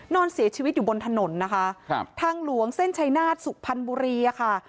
นอนเสียชีวิตอยู่บนถนนนะคะครับทางหลวงเส้นชัยนาฏสุพรรณบุรีอะค่ะ